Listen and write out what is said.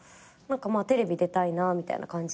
テレビ出たいなみたいな感じで。